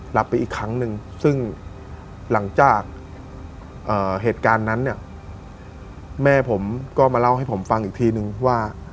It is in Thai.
รับไปอีกครั้งหนึ่งซึ่งหลังจากเหตุการณ์นั้นเนี่ยแม่ผมก็มาเล่าให้ผมฟังอีกทีนึงว่า